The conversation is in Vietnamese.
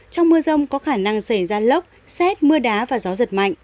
trong mưa rông có khả năng xảy ra lốc xét mưa đá và gió giật mạnh